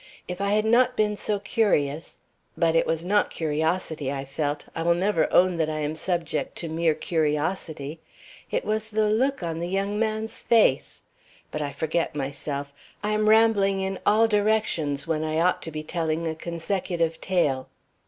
If I had not been so curious But it was not curiosity I felt. I will never own that I am subject to mere curiosity; it was the look on the young man's face. But I forget myself. I am rambling in all directions when I ought to be telling a consecutive tale.